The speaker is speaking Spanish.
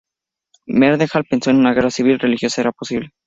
Mendenhall pensó que una guerra civil religiosa era posible.